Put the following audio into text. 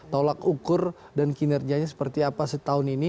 tolak ukur dan kinerjanya seperti apa setahun ini